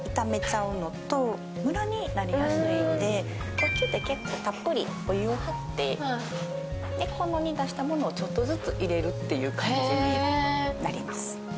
これが染めるもとになってたっぷりお湯を張ってこの煮出したものをちょっとずつ入れるっていう感じになります